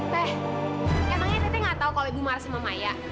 teh emangnya tete gak tau kalau ibu marah sama maya